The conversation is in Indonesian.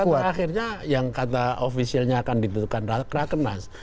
fakta terakhirnya yang kata officialnya akan ditutupkan rakenas